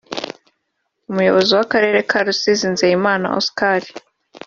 Umuyobozi w’Akarere ka Rusizi Nzeyimana Oscar